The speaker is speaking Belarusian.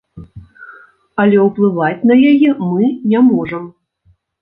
Але ўплываць на яе мы не можам.